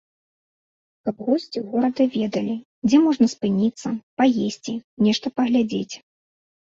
Каб госці горада ведалі, дзе можна спыніцца, паесці, нешта паглядзець.